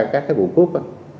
các cái vụ cướp